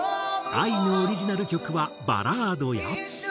ＡＩのオリジナル曲はバラードや。